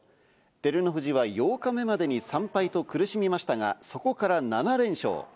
照ノ富士は８日目までに３敗と苦しみましたが、そこから７連勝。